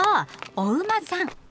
お馬さん。